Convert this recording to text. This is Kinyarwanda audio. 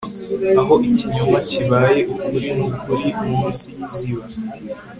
aho ikinyoma kibaye ukuri nukuri munsi yiziba